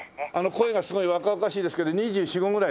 声がすごい若々しいですけど２４２５ぐらいですか？